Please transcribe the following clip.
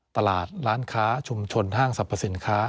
ตลาดร้านค้าชุมชนห้างสรรพสินค้า